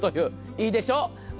いいでしょう。